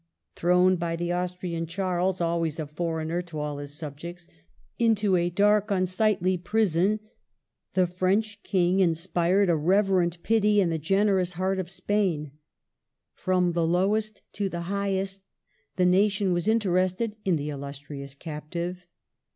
Thrown by the Austrian Charles (always a foreigner to all his subjects) into a dark, unsightly prison, the French King inspired a reverent pity in the generous heart of Spain. From the lowest to the highest, the nation was interested in the illustrious captive.